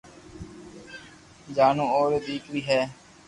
جانو اوري ديڪري ھي